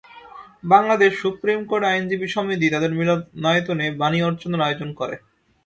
Bangladesh supreme court আইনজীবী সমিতি তাদের মিলনায়তনে বাণী অর্চনার আয়োজন করে।